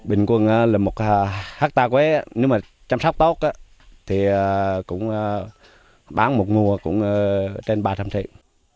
bình quân là một hectare quế nếu mà chăm sóc tốt thì cũng bán một mùa cũng trên ba trăm linh triệu